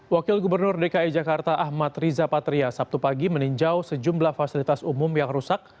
wakil gubernur dki jakarta ahmad riza patria sabtu pagi meninjau sejumlah fasilitas umum yang rusak